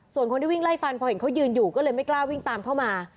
ส่วนคนที่วิ่งไล่ฟันพอเห็นเขายืนอยู่ก็เลยไม่กล้าวิ่งตามเข้ามา